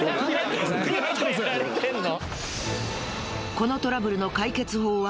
このトラブルの解決法は？